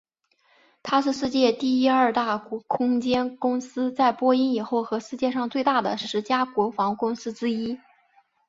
它是世界第二大空间公司在波音以后和世界上最大的十家国防公司之一。